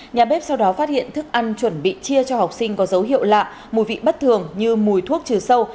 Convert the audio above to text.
nhà bếp sau đó phát hiện thức ăn chuẩn bị chia cho học sinh có dấu hiệu lạ mùi vị bất thường như mùi thuốc trừ sâu